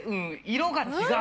色が違う！